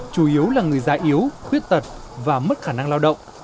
chủ yếu là người già yếu khuyết tật và mất khả năng lao động